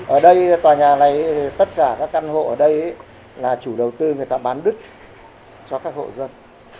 ở đây tòa nhà này tất cả các căn hộ ở đây là chủ đầu tư người ta bán đứt cho các hộ dân